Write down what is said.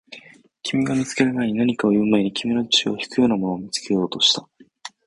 君が見つける前に、何かを言う前に、君の注意を引くようなものを見つけようとした